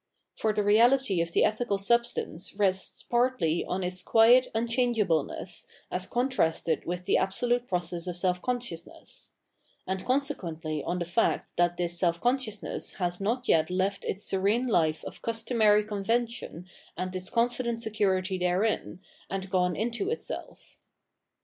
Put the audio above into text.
For the reality of the ethical subs tance rests partly on its quiet unchangeableness as contrasted with the absolute process of self consciousness ; and con sequently on the fact that this self consciousness has not yet left its serene life of customary convention and its confident security therein, and gone into itself.